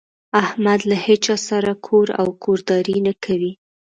احمد له هيچا سره کور او کورداري نه کوي.